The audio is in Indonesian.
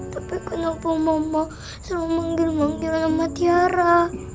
tapi kenapa mama selalu manggil manggil sama tiara